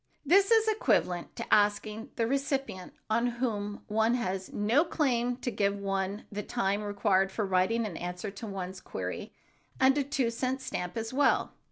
This is equivalent to asking the recipient on whom one has no claim to give one the time required for writing an answer to one's query, and a two cent stamp as well.